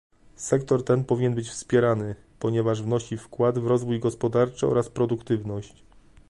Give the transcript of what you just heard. Sektor ten powinien być wspierany, ponieważ wnosi wkład w rozwój gospodarczy oraz w produktywność